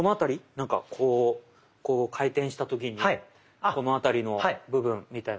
なんかこうこう回転した時にこの辺りの部分みたいな。